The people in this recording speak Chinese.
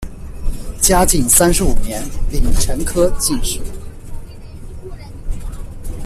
嘉靖三十五年丙辰科进士。